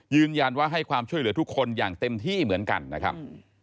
ยืนยันว่าให้ความช่วยเหลือทุกคนอย่างเต็มที่เหมือนกันนะครับ